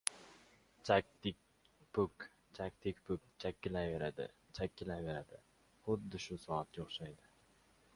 «Chak-tik-puk», «Chak-tik- puk...» Chakillayveradi, chakiliayveradi, xuddi soatga o‘xshaydi.